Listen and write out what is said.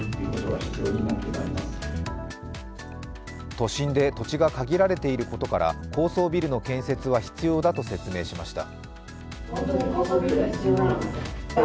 都心で土地が限られていることから、高層ビルの建設は必要だと説明しました。